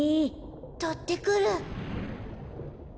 とってくる。